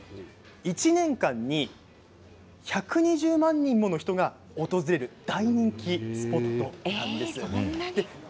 １年間に１２０万人もの人が訪れる大人気スポットなんです。